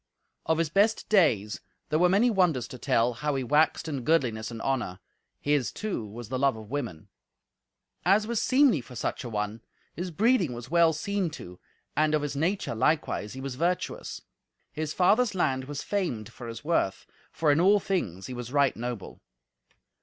Of his best days there were many wonders to tell, how he waxed in goodliness and honour; his, too, was the love of women. As was seemly for such an one, his breeding was well seen to, and of his nature, likewise, he was virtuous. His father's land was famed for his worth, for in all things he was right noble.